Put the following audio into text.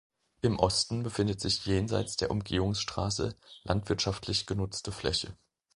Im Osten befindet sich jenseits der Umgehungsstraße landwirtschaftlich genutzte Fläche.